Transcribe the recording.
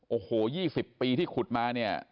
โอ้โห๒๐ปีที่ขุดมาเนี่ย